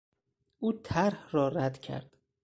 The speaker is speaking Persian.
او طرح را رد کرد.